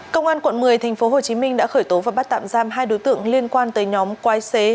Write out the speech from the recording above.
công an quận một mươi tp hcm đã khởi tố và bắt tạm giam hai đối tượng liên quan tới nhóm quái xế